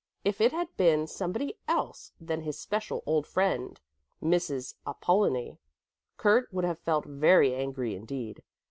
If it had been somebody else than his special old friend Mrs. Apollonie, Kurt would have felt very angry indeed.